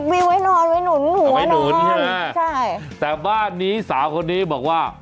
มีไว้นอนไว้หนูนใช่ไหมแต่บ้านนี้สาวคนนี้บอกว่า